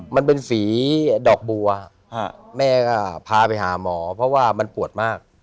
มันเป็นสีดอกบัวแม่ก็พาไปหาหมอเพราะว่ามันปวดมาก